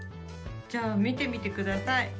じゃあみてみてください。